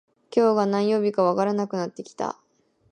今日が何曜日かわからなくなってきた